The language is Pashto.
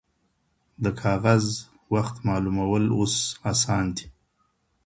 د کاغذ وخت معلومول اوس اسان دي.